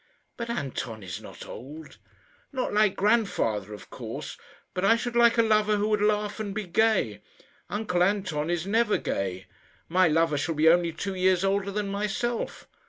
"But Anton is not old." "Not like grandfather, of course. But I should like a lover who would laugh and be gay. Uncle Anton is never gay. My lover shall be only two years older than myself.